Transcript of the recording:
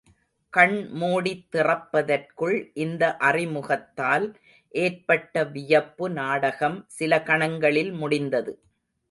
கண் மூடித் திறப்பதற்குள் இந்த அறிமுகத்தால் ஏற்பட்ட வியப்பு நாடகம், சில கணங்களில் முடிந்தது.